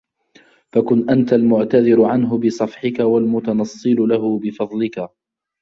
فَكُنْ أَنْتَ الْمُعْتَذِرُ عَنْهُ بِصَفْحِك وَالْمُتَنَصِّلُ لَهُ بِفَضْلِك